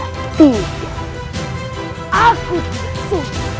aku tidak sungguh